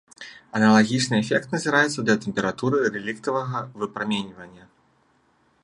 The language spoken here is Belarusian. Аналагічны эфект назіраецца для тэмпературы рэліктавага выпраменьвання.